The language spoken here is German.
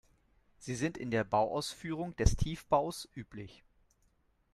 Sie sind in der Bauausführung des Tiefbaus üblich.